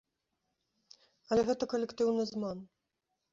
Але гэта калектыўны зман.